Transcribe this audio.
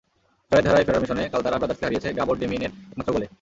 জয়ের ধারায় ফেরার মিশনে কাল তারা ব্রাদার্সকে হারিয়েছে গাবর ডেমিয়েনের একমাত্র গোলে।